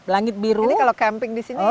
langit biru ini kalau camping di sini